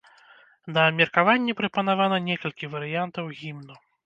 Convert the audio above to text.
На абмеркаванне прапанавана некалькі варыянтаў гімну.